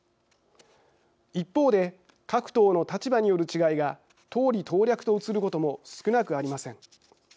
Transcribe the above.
一方で、各党の立場による違いが党利党略と映ることも少なくありません。